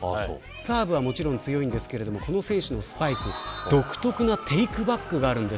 サーバーはもちろん強いんですけどもこの選手のスパイク独特なテークバックがあるんです。